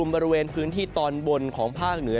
บริเวณพื้นที่ตอนบนของภาคเหนือ